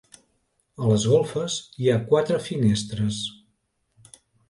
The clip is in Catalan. A les golfes hi ha quatre finestres.